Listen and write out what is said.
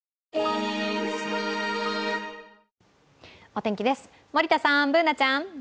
お天気です、森田さん、Ｂｏｏｎａちゃん。